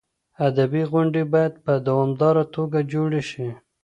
ادبي غونډې باید په دوامداره توګه جوړې شي.